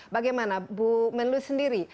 bagaimana bu menlu sendiri